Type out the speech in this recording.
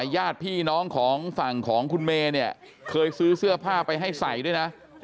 ญาติพี่น้องของฝั่งของคุณเมย์เนี่ยเคยซื้อเสื้อผ้าไปให้ใส่ด้วยนะ